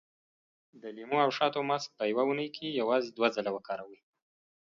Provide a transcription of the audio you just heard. د لیمو او شاتو ماسک په يوه اونۍ کې یوازې دوه ځلې وکاروئ.